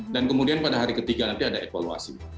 dan kemudian pada hari ketiga nanti ada evaluasi